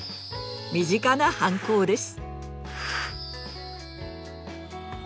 身近な反抗です。